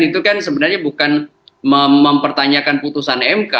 itu kan sebenarnya bukan mempertanyakan putusan mk